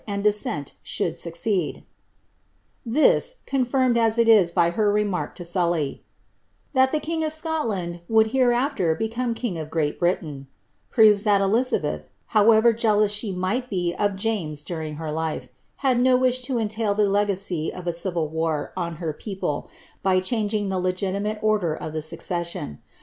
ad descent shoul I succeeil." This, coafirnied aa it is bj her KmaHc o Sully, ■* tlm: J king of Scotland would hereafter become kiii^ of ireui Briiain," r '^^ ''i"' Elizabeth] however jealous she mieh; b« of s during hi life, had no wish K> entail the legacy of a cinl war oo poople, bv langiag the legitim&ie order of the sueceseion.